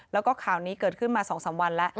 แล้วก็ข่าวนี้เกิดขึ้นมา๒๓วันแล้ว